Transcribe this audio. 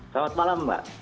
selamat malam mbak